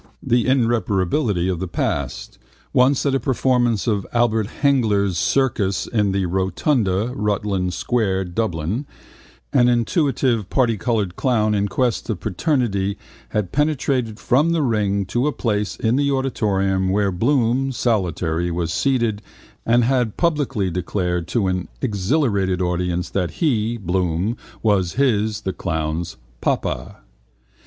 The irreparability of the past: once at a performance of Albert Hengler's circus in the Rotunda, Rutland square, Dublin, an intuitive particoloured clown in quest of paternity had penetrated from the ring to a place in the auditorium where Bloom, solitary, was seated and had publicly declared to an exhilarated audience that he (Bloom) was his (the clown's) papa.